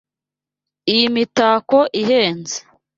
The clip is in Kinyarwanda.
Iyi mitako ihenze.